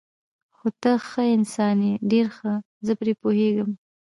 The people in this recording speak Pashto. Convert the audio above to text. خو ته ښه انسان یې، ډېر ښه، زه پرې پوهېږم.